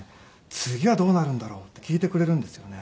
次はどうなるんだろうって聞いてくれるんですよね。